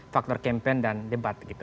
faktor campaign dan debat gitu